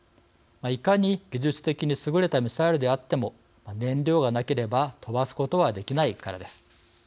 いかに技術的に優れたミサイルであっても燃料がなければ飛ばすことはできないからです。